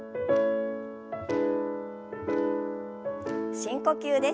深呼吸です。